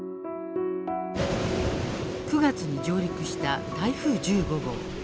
９月に上陸した台風１５号。